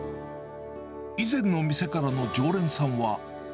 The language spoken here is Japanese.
以前の店からの常連さんは。